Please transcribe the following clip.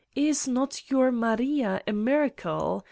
Is not your Maria a miracle?